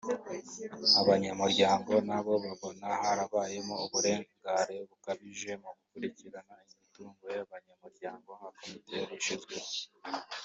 Abanyamuryango nabo babona harabayemo uburangare bukabije mu gukurikirana imitungo y’abanyamuryango nka komite yari ishyizweho